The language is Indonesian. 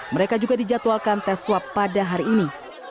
mereka juga dijadwalkan tes swab pada hari ini